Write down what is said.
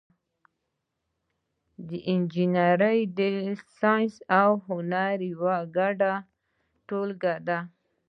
انجنیری د ساینس او هنر یوه ګډه ټولګه ده.